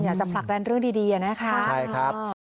อยากจะผลักรันเรื่องดีนะครับ